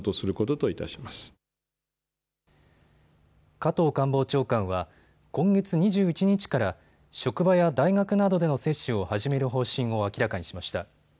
加藤官房長官は今月２１日から職場や大学などでの接種を始める方針を明らかにしました。